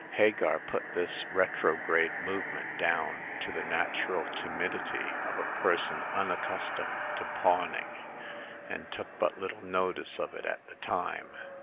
Hagar put this re trograde movement down to the natural timidity of a person unaccustomed to pawning, and took but little notice of it at the time.